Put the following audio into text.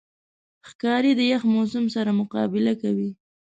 ښکاري د یخ موسم سره مقابله کوي.